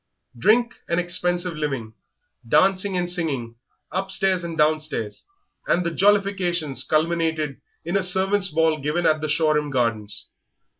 Drink and expensive living, dancing and singing upstairs and downstairs, and the jollifications culminated in a servants' ball given at the Shoreham Gardens.